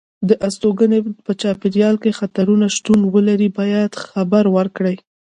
که د استوګنې په چاپېریال کې خطرونه شتون ولري باید خبر ورکړي.